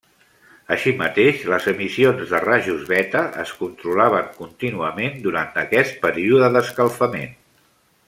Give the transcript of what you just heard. Així mateix, les emissions de rajos beta es controlaven contínuament durant aquest període d'escalfament.